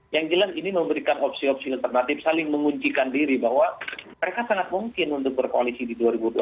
yang jelas ini memberikan opsi opsi alternatif saling menguncikan diri bahwa mereka sangat mungkin untuk berkoalisi di dua ribu dua puluh